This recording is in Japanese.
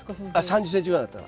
３０ｃｍぐらいになったら。